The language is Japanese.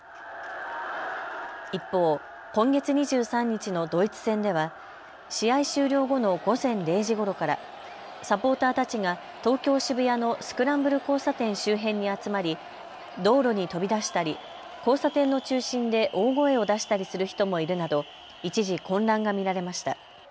一方、今月２３日のドイツ戦では試合終了後の午前０時ごろからサポーターたちが東京渋谷のスクランブル交差点周辺に集まり道路に飛び出したり交差点の中心で大声を出したりする人もいるなど一時、混乱が見られました。